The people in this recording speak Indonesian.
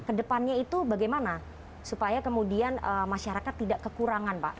kedepannya itu bagaimana supaya kemudian masyarakat tidak kekurangan pak